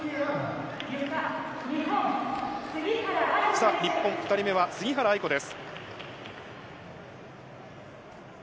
さあ、日本２人目は杉原愛子です。